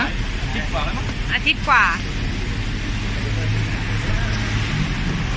อาทิตย์กว่าแล้วค่ะ